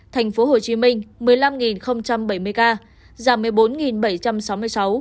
tp hcm một mươi năm bảy mươi ca giảm một mươi bốn bảy trăm sáu mươi sáu